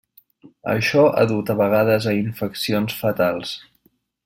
Això ha dut a vegades a infeccions fatals.